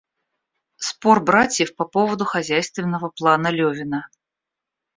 Спор братьев по поводу хозяйственного плана Левина.